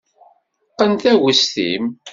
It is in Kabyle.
Qqen taggest-im.